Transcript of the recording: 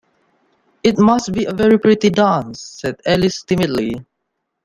‘It must be a very pretty dance,’ said Alice timidly.